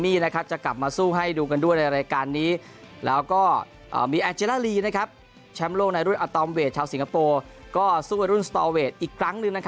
ไม่มีการปัดขาไม่มีการเกี่ยวขาให้ล้ม